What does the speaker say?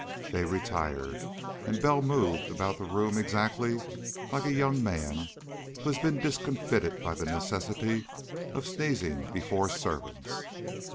They retired, and Bell moved about the room exactly like a young man who has been discomfited by the necessity of sneezing before servants.